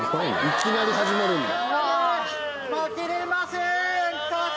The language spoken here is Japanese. いきなり始まるんや。